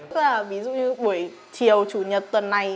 tức là ví dụ như buổi chiều chủ nhật tuần này